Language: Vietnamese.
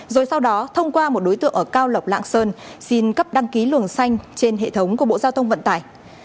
rồi sau đó thông qua một đối tượng ở cao lộc lạng sơn xin cấp đăng ký luồng xanh trên hệ thống của bộ giao thông vận tải